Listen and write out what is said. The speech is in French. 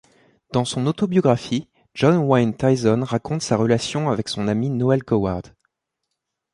Dans son autobiographie, Jon Wynne-Tyson raconte sa relation avec son ami Noël Coward.